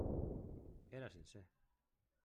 Era sincer.